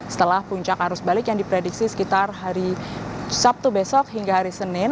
setelah puncak arus balik yang diprediksi sekitar hari sabtu besok hingga hari senin